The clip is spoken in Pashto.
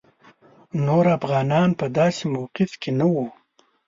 نور افغانان په داسې موقف کې نه وو.